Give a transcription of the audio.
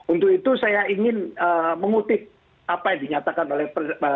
untuk itu saya ingin mengutip apa yang dinyatakan oleh